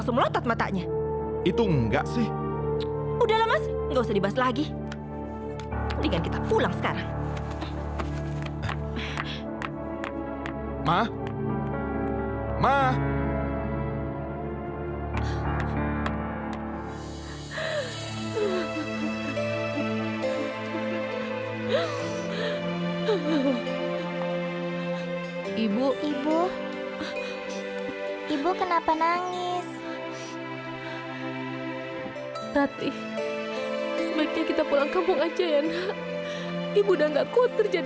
sampai jumpa di video selanjutnya